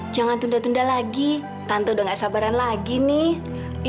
jangan tunda tunda lagi tante udah gak sabaran lagi nih